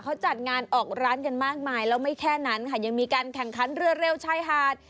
เขาจัดงานออกร้านกันมากมายแล้วไม่แค่นั้นค่ะยังมีการแข่งขันเรือเร็วชายหาด